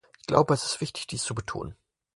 Ich glaube, es ist wichtig, dies zu betonen.